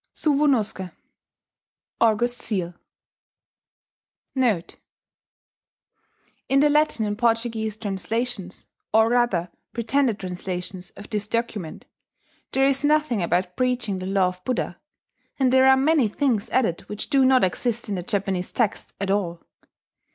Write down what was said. "SUWO NO SUKE. [August Seal]"* [*In the Latin and Portuguese translations, or rather pretended translations of this document, there is nothing about preaching the Law of Buddha; and there are many things added which do not exist in the Japanese text at all.